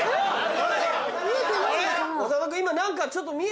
長田君今。